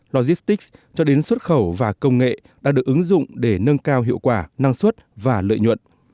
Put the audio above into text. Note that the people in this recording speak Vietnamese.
logistics cho đến xuất khẩu và công nghệ đã được ứng dụng để nâng cao hiệu quả năng suất và lợi nhuận